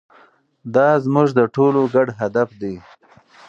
دا زموږ د ټولو ګډ هدف دی.